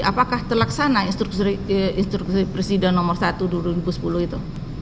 apakah terlaksana instruksi presiden nomor satu dua ribu sepuluh itu